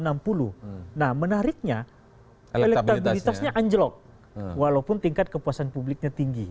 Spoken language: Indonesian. nah menariknya elektabilitasnya anjlok walaupun tingkat kepuasan publiknya tinggi